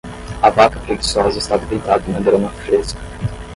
A vaca preguiçosa estava deitada na grama fresca.